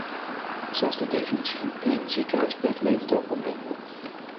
Zelfs de definitie van één ziekenhuisbed levert al problemen op.